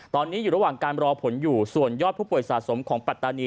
ตอนนี้อยู่ระหว่างการรอผลอยู่ส่วนยอดผู้ป่วยสะสมของปัตตานี